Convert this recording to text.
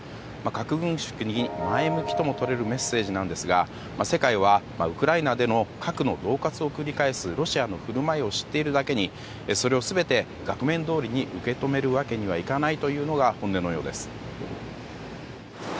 核軍縮に前向きともとれるメッセージなんですが世界はウクライナでの核の恫喝を繰り返すロシアの振る舞いを知っているだけにそれを全て額面どおりに受け止めるわけにはいかないというのが本音のようです。